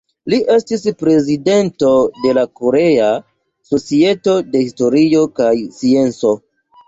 Li estis prezidento de la Korea Societo de Historio kaj Scienco.